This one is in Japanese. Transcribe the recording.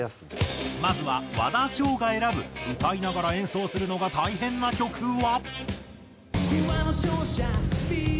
まずは和田唱が選ぶ歌いながら演奏するのが大変な曲は？